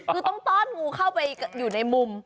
คือต้องต้อนงูเข้าไปอยู่ในมุม